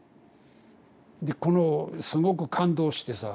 でこのすごく感動してさ。